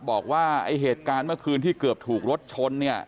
บอกว่าไอ้เหตุการณ์เมื่อคืนที่เกือบถูกรถชนเนี่ย